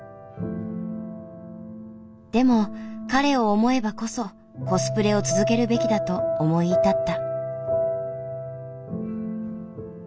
でも彼を思えばこそコスプレを続けるべきだと思い至った。